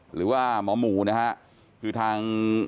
หรือว่าหมอหมูนะฮะคือทาง